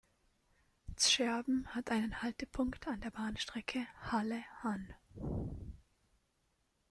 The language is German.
Zscherben hat einen Haltepunkt an der Bahnstrecke Halle–Hann.